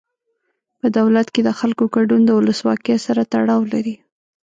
په دولت کې د خلکو ګډون د ولسواکۍ سره تړاو لري.